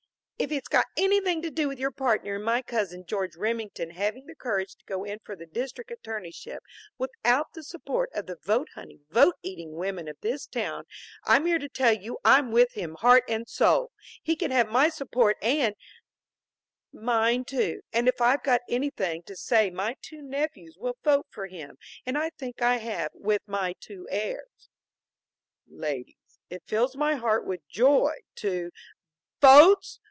"If it's got anything to do with your partner and my cousin George Remington having the courage to go in for the district attorneyship without the support of the vote hunting, vote eating women of this town, I'm here to tell you that I'm with him heart and soul. He can have my support and " "Mine too. And if I've got anything to say my two nephews will vote for him; and I think I have, with my two heirs." "Ladies, it fills my heart with joy to " "Votes!